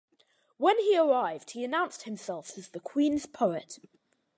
When he arrived, he announced himself as "The Queen's Poet".